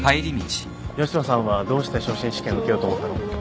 吉野さんはどうして昇進試験受けようと思ったの？